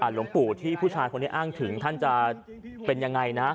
หลวงปู่ที่ผู้ชายคนนี้อ้างถึงท่านจะเป็นยังไงนะ